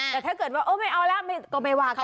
แต่ถ้าเกิดว่าไม่เอาแล้วก็ไม่ว่าเขา